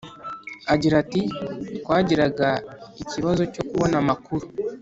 agira ati “twagiraga ikibazo cyo kubona amakuru